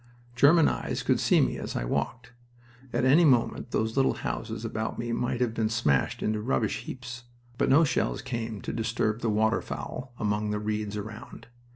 German eyes could see me as I walked. At any moment those little houses about me might have been smashed into rubbish heaps. But no shells came to disturb the waterfowl among the reeds around.